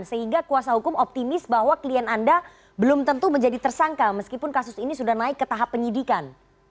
sehingga kuasa hukum optimis bahwa klien anda belum tentu menjadi tersangka meskipun kasus ini sudah naik ke tahap penyidikan